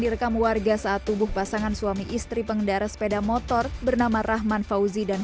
direkam warga saat tubuh pasangan suami istri pengendara sepeda motor bernama rahman fauzi dan